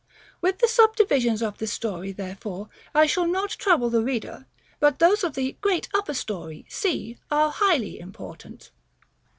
With the subdivisions of this story, therefore, I shall not trouble the reader; but those of the great upper story, C, are highly important.